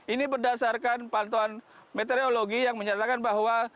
ini berdasarkan pantauan meteorologi yang menyatakan bahwa